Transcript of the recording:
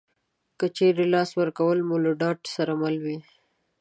که چېرې لاس ورکول مو له ډاډ سره مل وي